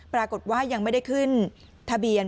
ปรากฏว่ายังไม่ได้ขึ้นทะเบียน